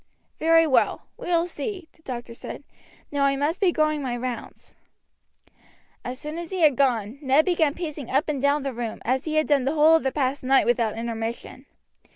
"Very well. We will see," the doctor said. "Now I must be going my rounds." As soon as he had gone Ned began pacing up and down the room, as he had done the whole of the past night without intermission.